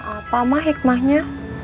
apa mah hikmahnya